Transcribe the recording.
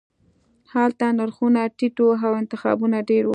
هلته نرخونه ټیټ وو او انتخابونه ډیر وو